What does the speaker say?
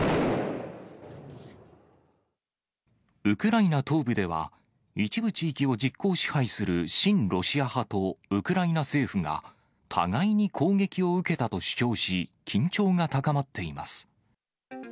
ウクライナ東部では、一部地域を実効支配する親ロシア派とウクライナ政府が、互いに攻撃を受けたと主張し、緊張が高まっています。